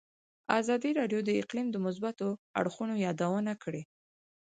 ازادي راډیو د اقلیم د مثبتو اړخونو یادونه کړې.